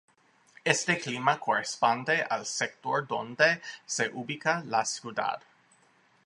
Este clima corresponde al sector donde se ubica la ciudad.